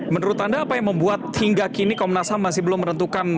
menurut anda apa yang membuat hingga kini komnas ham masih belum menentukan